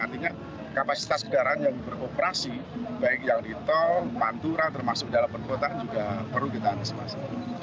artinya kapasitas kendaraan yang beroperasi baik yang di tol pantura termasuk di dalam perkotaan juga perlu kita antisipasi